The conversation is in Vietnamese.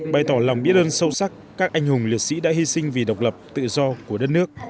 bày tỏ lòng biết ơn sâu sắc các anh hùng liệt sĩ đã hy sinh vì độc lập tự do của đất nước